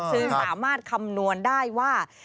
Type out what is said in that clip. ซึ่งสามารถคำนวณได้ว่า